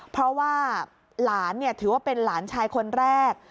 เพราะว่าหลานถือว่าเป็นหลานชายคนแรก